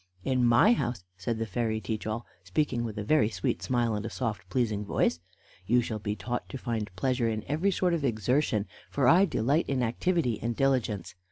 "In my house," said the fairy Teach all, speaking with a very sweet smile and a soft, pleasing voice, "you shall be taught to find pleasure in every sort of exertion, for I delight in activity and diligence.